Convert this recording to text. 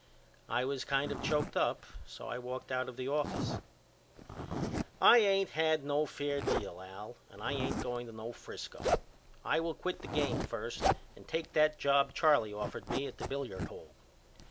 I was kind of choked up so I walked out of the office. I ain't had no fair deal Al and I ain't going to no Frisco. I will quit the game first and take that job Charley offered me at the billiard hall.